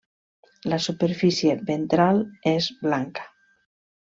La superfície ventral és blanca.